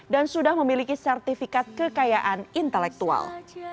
dan sudah memiliki sertifikat kekayaan intelektual